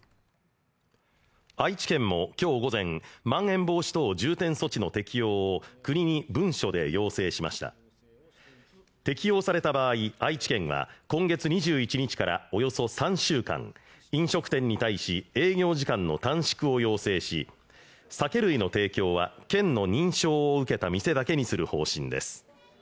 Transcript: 愛知県もきょう午前まん延防止等重点措置の適用を国に文書で要請しました適用された場合愛知県は今月２１日からおよそ３週間飲食店に対し営業時間の短縮を要請し酒類の提供は県の認証を受けた店だけにする方針です